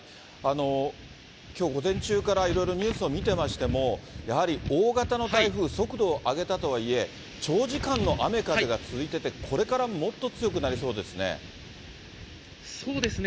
きょう午前中からいろいろニュースを見てましても、やはり大型の台風、速度を上げたとはいえ、長時間の雨、風が続いてて、これからもっと強くなりそうですね。